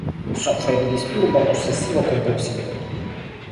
Soffre di disturbo ossessivo-compulsivo.